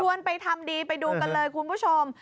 ไปทำดีไปดูกันเลยคุณผู้ชม